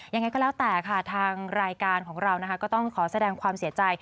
ยังไงก็แล้วแต่ค่ะทางรายการของเรานะคะก็ต้องขอแสดงความเสียใจ